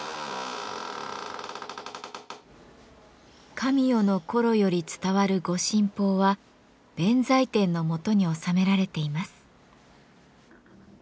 神代の頃より伝わる御神宝は弁財天の元に納められています。